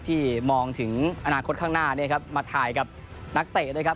ที่มองถึงอนาคตข้างหน้าเนี่ยครับมาถ่ายกับนักเตะด้วยครับ